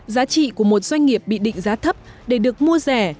giá trị của một doanh nghiệp bị định giá thấp để được mua rẻ